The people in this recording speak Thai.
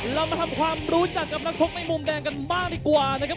เรามาทำความรู้จักกับนักชกในมุมแดงกันบ้างดีกว่านะครับ